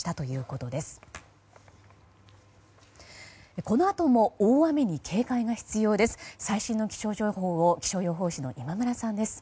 このあとも大雨に警戒が必要です。